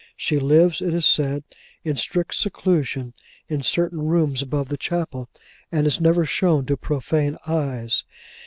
She lives, it is said, in strict seclusion, in certain rooms above the chapel, and is never shown to profane eyes.